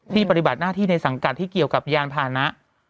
ปฏิบัติหน้าที่ในสังกัดที่เกี่ยวกับยานพานะ